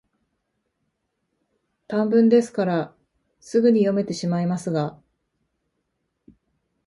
短文ですから、すぐに読めてしまいますが、